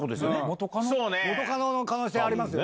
元カノの可能性あります。